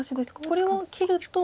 これを切ると。